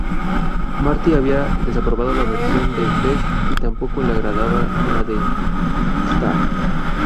Martin había desaprobado la versión de Best y tampoco le agradaba la de Starr.